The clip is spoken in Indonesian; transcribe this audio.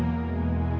kayak kamu pounds